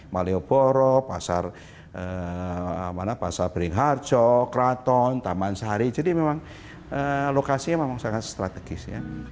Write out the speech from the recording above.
malioboro pasar beringharjo kraton taman sari jadi memang lokasinya memang sangat strategis